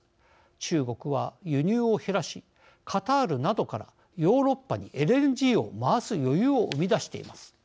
中国は輸入を減らしカタールなどからヨーロッパにＬＮＧを回す余裕を生み出しています。